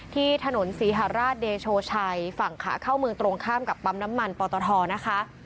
ที่ถนนศรีหาราชเดโชชัยฝั่งขาเข้าเมืองตรงข้ามกับปั๊มน้ำมันปอตทนะคะ